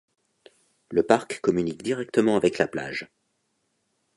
Le parc communique directement avec la plage.